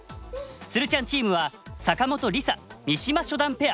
つるちゃんチームは坂本リサ・三島初段ペア。